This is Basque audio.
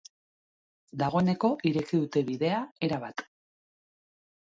Dagoeneko ireki dute bidea erabat.